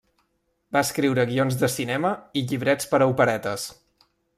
Va escriure guions de cinema i llibrets per a operetes.